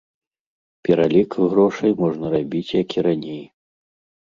Пералік грошай можна рабіць як і раней.